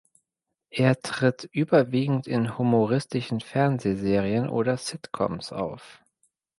Er tritt überwiegend in humoristische Fernsehserien oder Sitcoms auf.